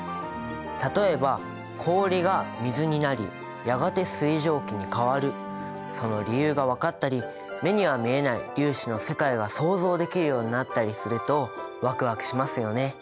例えば氷が水になりやがて水蒸気に変わるその理由が分かったり目には見えない粒子の世界が想像できるようになったりするとワクワクしますよね。